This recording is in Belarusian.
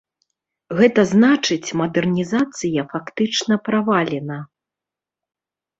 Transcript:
Гэта значыць, мадэрнізацыя фактычна правалена.